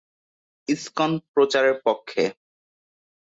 ISKCON প্রচারের পক্ষে।